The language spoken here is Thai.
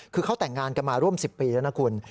คือเขาแต่งงานกันมาร่วม๑๐ปีแล้วนะคุณ